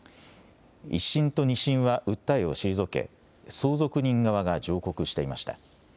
１審と２審は訴えを退け相続人側が上告していました。